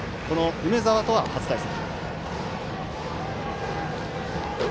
梅澤とは初対戦。